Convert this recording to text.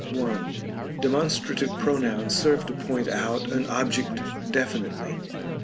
1. Demonstrative pronouns serve to point out an object definitely.